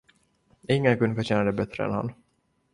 Ingen kunde förtjäna det bättre än han.